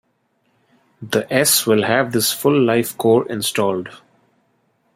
The s will have this full-life core installed.